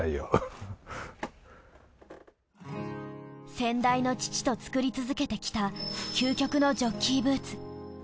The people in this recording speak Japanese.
先代の父と作り続けてきた究極のジョッキーブーツ。